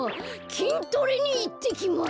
きんトレにいってきます！